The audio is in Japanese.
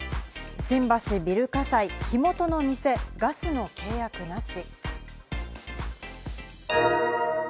新橋ビル火災、火元の店、ガスの契約なし。